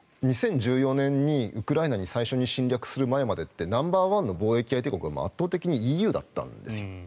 ２０１４年にウクライナに最初に侵略する前までってナンバーワンの貿易相手国って圧倒的にＥＵだったんですよ。